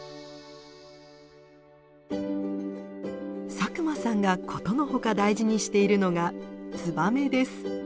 佐久間さんがことのほか大事にしているのがツバメです。